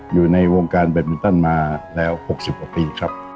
อยู่ในวงการแบตมินตันมาแล้ว๖๐กว่าปีครับ